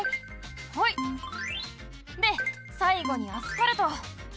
ホイ！でさいごにアスファルト。